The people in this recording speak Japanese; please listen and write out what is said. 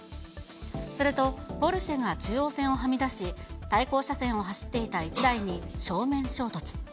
すると、ポルシェが中央線をはみ出し、対向車線を走っていた１台に正面衝突。